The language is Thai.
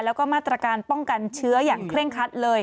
แล้วก็มาตรการป้องกันเชื้ออย่างเคร่งคัดเลย